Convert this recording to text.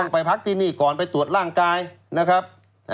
ไปพักที่นี่ก่อนไปตรวจร่างกายนะครับ